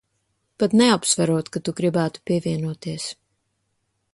Pat neapsverot, ka tu gribētu pievienoties.